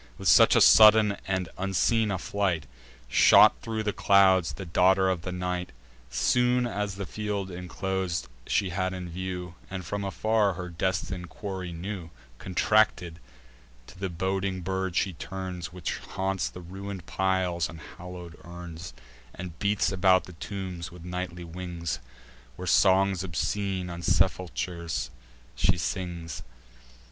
With such a sudden and unseen a flight Shot thro' the clouds the daughter of the night. Soon as the field inclos'd she had in view, And from afar her destin'd quarry knew, Contracted, to the boding bird she turns, Which haunts the ruin'd piles and hallow'd urns, And beats about the tombs with nightly wings, Where songs obscene on sepulchers she sings.